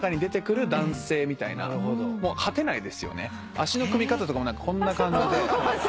足の組み方とかもこんな感じで。